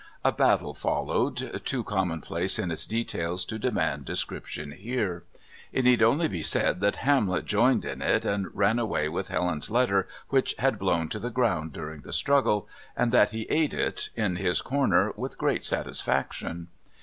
A battle followed, too commonplace in its details to demand description here. It need only be said that Hamlet joined in it and ran away with Helen's letter which had blown to the ground during the struggle, and that he ate it, in his corner, with great satisfaction.